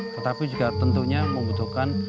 tetapi juga tentunya membutuhkan